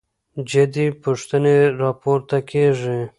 جدي پوښتنې راپورته کېږي.